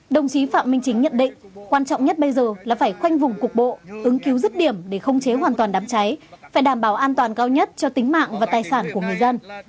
đồng chí phạm minh chính nhận định quan trọng nhất bây giờ là phải khoanh vùng cục bộ ứng cứu rứt điểm để khống chế hoàn toàn đám cháy phải đảm bảo an toàn cao nhất cho tính mạng và tài sản của người dân